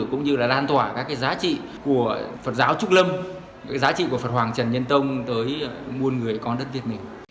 cũng như là lan thỏa các cái giá trị của phật giáo trúc lâm cái giá trị của phật hoàng trần yên tông tới nguồn người con đất việt này